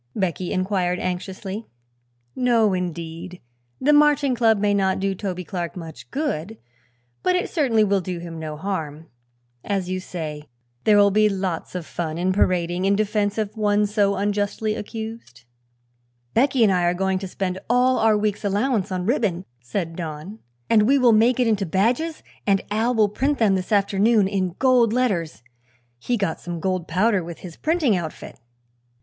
Becky inquired anxiously. "No, indeed. The Marching Club may not do Toby Clark much good, but it certainly will do him no harm. As you say, there will be lots of fun in parading in defense of one so unjustly accused." "Becky and I are going to spend all our week's allowance on ribbon," said Don, "and we will make it into badges and Al will print them this afternoon in gold letters. He got some gold powder with his printing outfit."